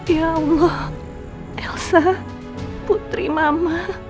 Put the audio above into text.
ya allah elsa putri mama